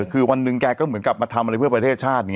คือวันหนึ่งแกก็เหมือนกลับมาทำอะไรเพื่อประเทศชาติ